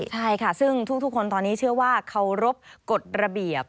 ใช่ค่ะซึ่งทุกคนตอนนี้เชื่อว่าเคารพกฎระเบียบ